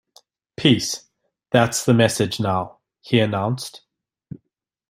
Peace - that's the message now, he announced.